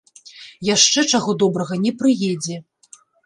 Яшчэ, чаго добрага, не прыедзе.